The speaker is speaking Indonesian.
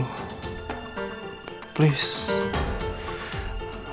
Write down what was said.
tidak ada yang bisa dipercaya